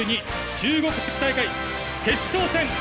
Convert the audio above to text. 中国地区大会決勝戦！